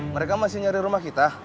mereka masih nyari rumah kita